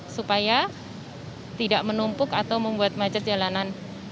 supaya tidak menumpuk atau membuat macet jalanan